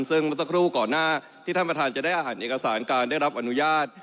ซึ่งเมื่อสักครู่ก่อนหน้าที่ท่านประธานจะได้อาหารเอกสารการได้รับอนุญาต